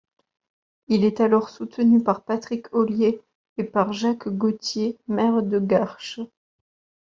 Il est alors soutenu par Patrick Ollier et par Jacques Gautier, maire de Garches.